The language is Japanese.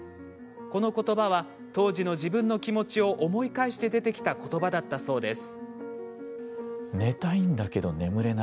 この言葉は当時の自分の気持ちを思い返して出てきた言葉だったそうです。